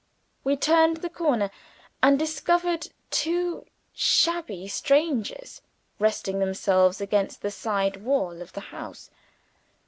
We turned the corner, and discovered two shabby strangers, resting themselves against the side wall of the house.